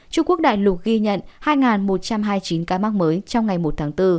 trung quốc đại lục ghi nhận hai một trăm hai mươi chín ca mắc mới trong ngày một tháng bốn